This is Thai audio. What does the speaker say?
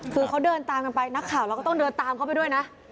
คือเขาเดินตามกันไปนักข่าวเราก็ต้องเดินตามเขาไปด้วยนะ